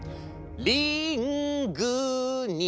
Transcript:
「リングに」